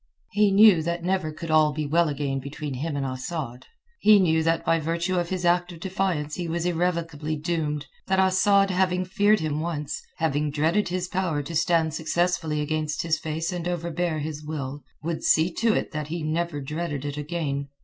He knew that never could all be well again between him and Asad. He knew that by virtue of his act of defiance he was irrevocably doomed, that Asad having feared him once, having dreaded his power to stand successfully against his face and overbear his will, would see to it that he never dreaded it again.